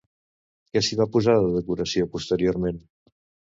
Què s'hi va posar de decoració posteriorment?